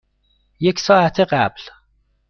یک ساعت قبل.